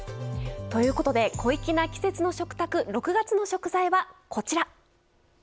ということで、小粋な季節の食卓６月の食材は、こちら。